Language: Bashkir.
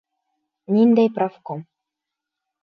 Ниндәй профком?